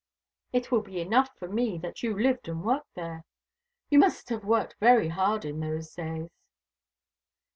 "It will be enough for me that you lived and worked there. You must have worked very hard in those days."